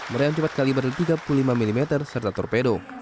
meriam cepat kaliber tiga puluh lima mm serta torpedo